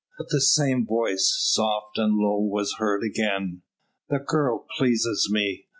But the same voice, soft and low, was heard again: "The girl pleases me!